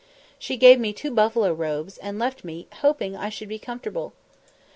She gave me two buffalo robes, and left me, hoping I should be comfortable!